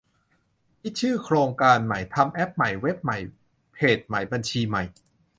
คิดชื่อโครงการใหม่ ทำแอปใหม่ เว็บใหม่ เพจใหม่ บัญชีใหม่